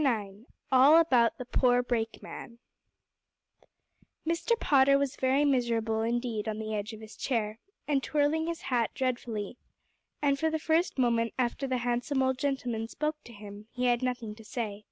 IX ALL ABOUT THE POOR BRAKEMAN Mr. Potter was very miserable indeed on the edge of his chair, and twirling his hat dreadfully; and for the first moment after the handsome old gentleman spoke to him, he had nothing to say.